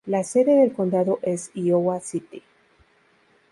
La sede del condado es Iowa City.